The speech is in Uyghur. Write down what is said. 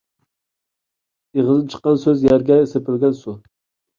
ئېغىزدىن چىققان سۆز – يەرگە سېپىلگەن سۇ.